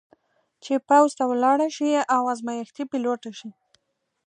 چې پوځ ته ولاړه شي او ازمېښتي پیلوټه شي.